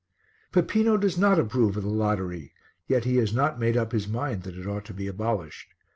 Peppino does not approve of the lottery, yet he has not made up his mind that it ought to be abolished.